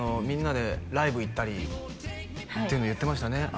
みんなでライブ行ったりっていうの言ってましたね